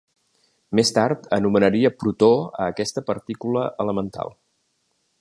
Més tard anomenaria protó a aquesta partícula elemental.